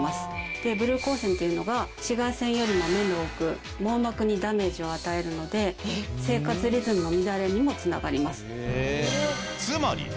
でブルー光線っていうのが紫外線よりも目の奥網膜にダメージを与えるので生活リズムの乱れにも繋がります。